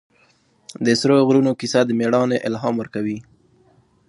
د سرو غرونو کیسه د مېړانې الهام ورکوي.